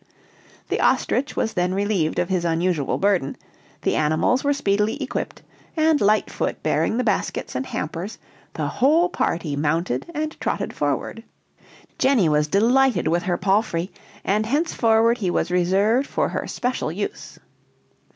The ostrich was then relieved of his unusual burden, the animals were speedily equipped, and Lightfoot bearing the baskets and hampers, the whole party mounted and trotted forward. Jenny was delighted with her palfrey, and henceforward he was reserved for her special use.